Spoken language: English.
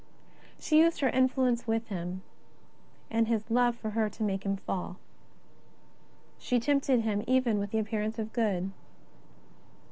She used her influence with him, and his love for her to make him fall. She tempted him even with the appearance of good.